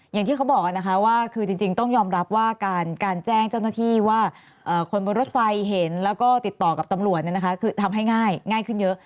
อย่างที่เขาบอกนะคะว่าคือจริงต้องยอมรับว่าการแจ้งเจ้าหน้าที่ว่าคนบนรถไฟเห็นแล้วก็ติดต่อกับตำรวจคือทำให้ง่ายขึ้นเยอะ